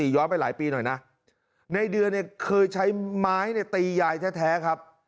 ๒๐๖๔ย้อนไปหลายปีหน่อยนะในเดือนเคยใช้ไม้ตียายแท้ครับ